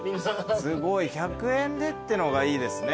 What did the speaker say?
すごい１００円でってのがいいですね